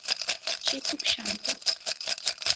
সে খুব শান্ত।